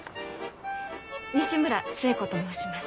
西村寿恵子と申します。